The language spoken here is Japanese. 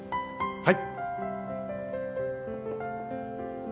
はい。